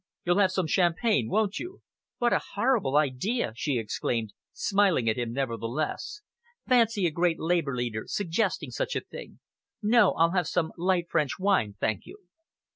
You'll have some champagne, won't you?" "What a horrible idea!" she exclaimed, smiling at him nevertheless. "Fancy a great Labour leader suggesting such a thing! No, I'll have some light French wine, thank you."